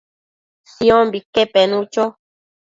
Siombique penu cho